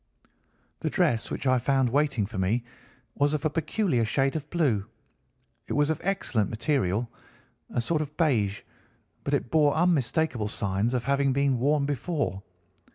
"The dress which I found waiting for me was of a peculiar shade of blue. It was of excellent material, a sort of beige, but it bore unmistakable signs of having been worn before.